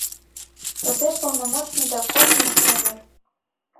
Саде полномочный да кок милиционер.